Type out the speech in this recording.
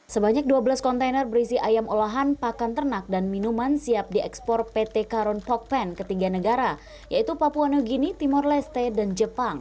sebanyak dua belas kontainer berisi ayam olahan pakan ternak dan minuman siap diekspor pt karun pokpen ke tiga negara yaitu papua new guinea timor leste dan jepang